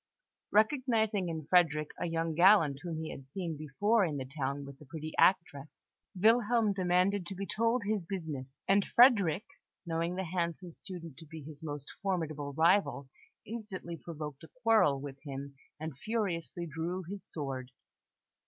Recognising in Frederick a young gallant whom he had seen before in the town with the pretty actress, Wilhelm demanded to be told his business; and Frederick, knowing the handsome student to be his most formidable rival, instantly provoked a quarrel with him, and furiously drew his sword.